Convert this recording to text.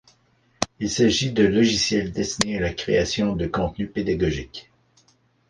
Il s'agit de logiciels destinés à la création de contenus pédagogiques.